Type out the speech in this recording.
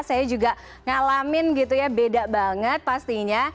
saya juga ngalamin gitu ya beda banget pastinya